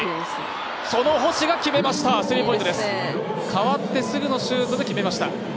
代わってすぐのシュートで決めました。